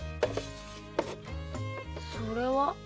それは？